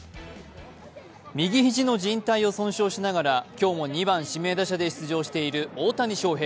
右肘のじん帯を損傷しながら今日も２番・指名打者で出場している大谷翔平。